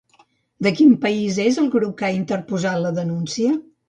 De quin país és el grup que ha interposat la denúncia?